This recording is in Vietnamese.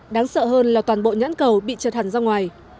đáng sợ hơn là toàn bộ nhãn cầu bị trượt hẳn ra ngoài